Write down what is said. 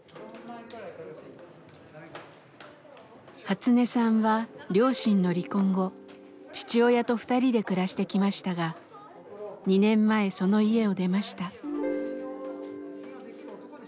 ハツネさんは両親の離婚後父親と２人で暮らしてきましたが２年前その家を出ました。